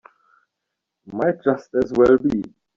Might just as well be.